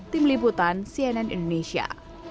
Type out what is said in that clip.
tim liputan cnn indonesia